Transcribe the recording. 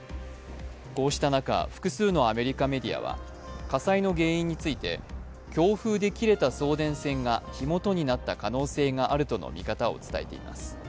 こうした中、複数のアメリカメディアは火災の原因について強風で切れた送電線が火元になった可能性があるとの見方を伝えています。